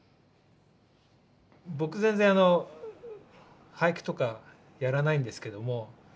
僕全然俳句とかやらないんですけども